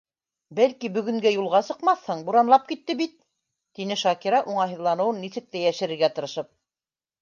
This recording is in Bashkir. Бәлки, бөгөнгә юлға сыҡмаҫһың, буранлап китте бит, - тине Шакира уңайһыҙланыуын нисек тә йәшерергә тырышып.